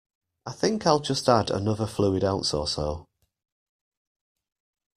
I think I'll add just another fluid ounce or so.